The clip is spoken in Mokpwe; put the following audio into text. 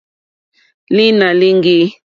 Lǐnà líŋɡî.